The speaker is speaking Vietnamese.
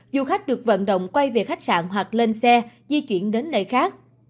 du khách được vận động quay về khách sạn hoặc lên xe di chuyển đến nơi khác